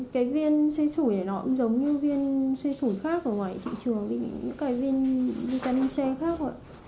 tại vì cái viên xê sủi nó cũng giống như viên xê sủi khác ở ngoài thị trường cái viên vitamin c khác